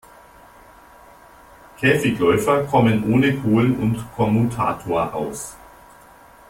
Käfigläufer kommen ohne Kohlen und Kommutator aus.